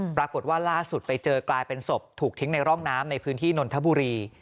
ปรากฏว่าล่าสุดไปเจอกลายเป็นศพถูกทิ้งในร่องน้ำในพื้นที่นนทบุรี